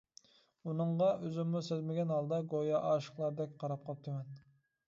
ئۇنىڭغا ئۆزۈممۇ سەزمىگەن ھالدا گويا ئاشىقلاردەك قاراپ قاپتىمەن.